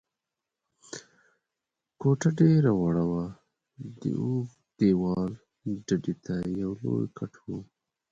کوټه ډېره وړه وه، د اوږد دېوال ډډې ته یو لوی کټ و.